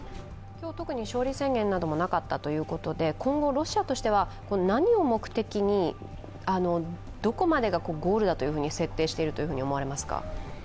今日、特に勝利宣言などもなかったということで、今後ロシアとしては何を目的にどこまでがゴールだというふうに設定していると思われますか？